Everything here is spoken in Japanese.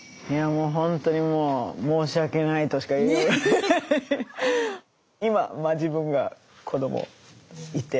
いやもうほんとにもう申し訳ないとしか言いようがない。